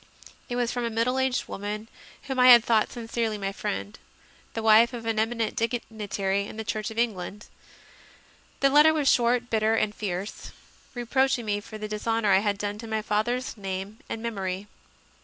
It was from a middle aged woman whom I had thought sincerely my friend the wife of an eminent digni tary in the Church of England. The letter was short, bitter, and fierce, reproaching me for the dishonour I had done to my father s name and memory.